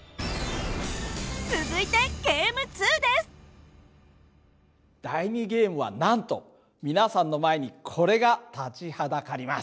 続いて第２ゲームはなんと皆さんの前にこれが立ちはだかります。